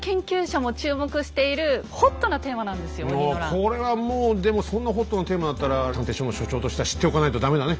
これはもうでもそんなホットなテーマだったら探偵所の所長としては知っておかないと駄目だね。